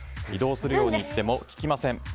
移動するように言っても聞きません。